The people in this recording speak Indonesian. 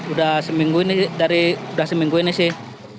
udah seminggu ini dari udah seminggu ini sih